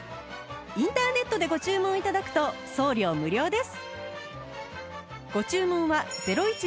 インターネットでご注文頂くと送料無料です